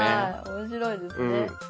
面白いですね。